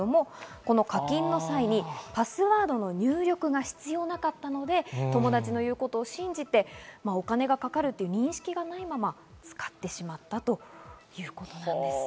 課金の際にパスワードの入力が必要なかったので友達の言うことを信じて、お金がかかる認識がないまま使ってしまったということです。